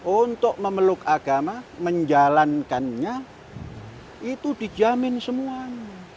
untuk memeluk agama menjalankannya itu dijamin semuanya